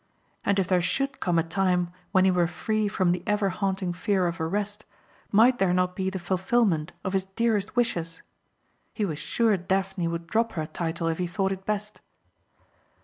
And if there should come a time when he were free from the ever haunting fear of arrest might there not be the fulfilment of his dearest wishes? He was sure Daphne would drop her title if he thought it best.